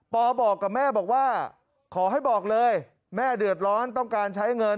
บอกกับแม่บอกว่าขอให้บอกเลยแม่เดือดร้อนต้องการใช้เงิน